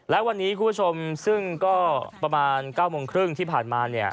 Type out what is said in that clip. และวันนี้คุณผู้ชมซึ่งก็ประมาณ๙โมงครึ่งที่ผ่านมาเนี่ย